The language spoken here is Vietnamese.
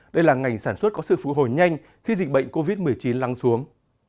đây là ngành sản xuất có sự phụ hồi nhanh khi dịch bệnh covid một mươi chín lăng xuống